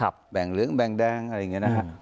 แบ่งเหลืองแบ่งแดงอะไรอย่างนี้นะฮะ